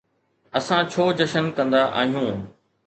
اسان ڇو جشن ڪندا آهيون؟